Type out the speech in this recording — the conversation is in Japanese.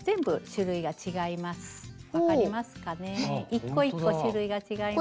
一個一個種類が違います。